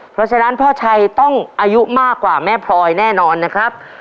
เพราะฉะนั้นพ่อชัยต้องอายุมากกว่าแม่พลอยแน่นอนนะครับ